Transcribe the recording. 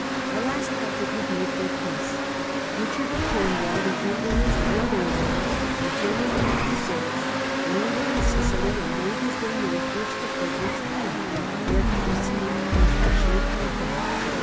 A last effort was made for peace. Richard of Corn wall, the Emperor's brother in law, returning from the Crusades, landed in Sicily and made his way northwards to Frederick's camp, where he received an affectionate welcome.